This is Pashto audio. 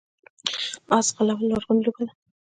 اس ځغلول لرغونې لوبه ده